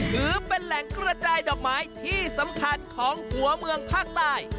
ถือเป็นแหล่งกระจายดอกไม้ที่สำคัญของหัวเมืองภาคใต้